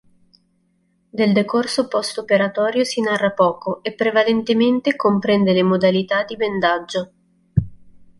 Del decorso post operatorio si narra poco e prevalentemente comprende le modalità di bendaggio.